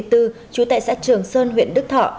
trú tại xã trường sơn huyện đức thọ